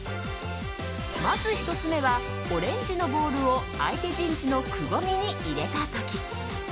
まず１つ目はオレンジのボールを相手陣地のくぼみに入れた時。